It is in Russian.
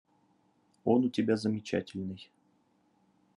Он у тебя замечательный.